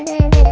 kau mau kemana